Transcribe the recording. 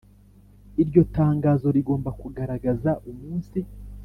iryo tangazo rigomba kugaragaza umunsi